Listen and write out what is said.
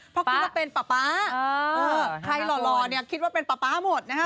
เพราะคิดว่าเป็นป๊าป๊าใครหล่อเนี่ยคิดว่าเป็นป๊าป๊าหมดนะฮะ